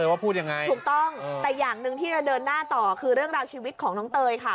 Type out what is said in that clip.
ว่าพูดยังไงถูกต้องแต่อย่างหนึ่งที่จะเดินหน้าต่อคือเรื่องราวชีวิตของน้องเตยค่ะ